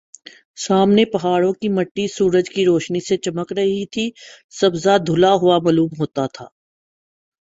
سامنے پہاڑوں کی مٹی سورج کی روشنی سے چمک رہی تھی سبزہ دھلا ہوا معلوم ہوتا تھا